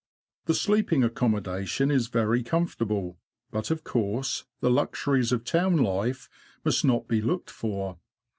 The sleeping accommodation is very comfortable, but of course the luxuries of town life must not be looked for.